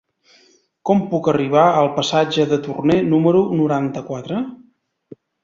Com puc arribar al passatge de Torné número noranta-quatre?